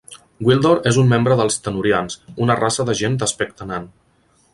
Gwildor és un membre dels Tenurians, una raça de gent d'aspecte nan.